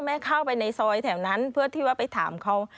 เข้าไปในซอยแถวนั้นเพื่อที่ว่าไปถามเขา